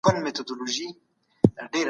په باطله لاره مال مه ګټئ.